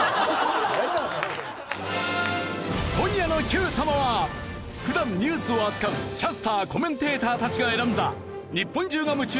今夜の『Ｑさま！！』は普段ニュースを扱うキャスターコメンテーターたちが選んだ日本中が夢中になった９０年代のニュース